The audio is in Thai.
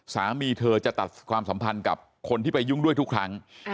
สามีเธอจะตัดความสัมพันธ์กับคนที่ไปยุ่งด้วยทุกครั้ง